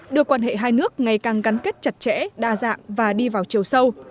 đưa quan hệ hai nước ngày càng gắn kết chặt chẽ đa dạng và đi vào chiều sâu